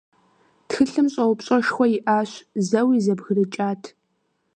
Тхылъым щӀэупщӀэшхуэ иӀащ, зэуи зэбгрыкӀат.